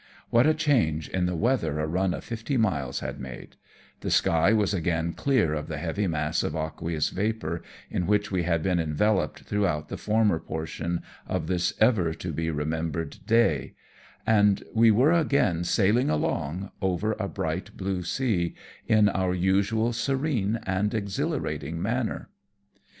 What a change in the weather a run of fifty miles had made : the sky was again clear of the heavy mass of aqueous vapour, in which we had been enveloped throughout the former portion of this ever to be re membered day, and we were again sailing along, over a bright blue sea, in our usual serene and exhilarating manner.